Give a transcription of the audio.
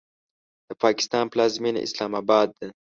د پاکستان پلازمینه اسلام آباد ده.